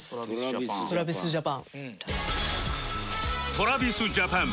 ＴｒａｖｉｓＪａｐａｎ